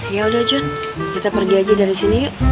ya udah jun kita pergi aja dari sini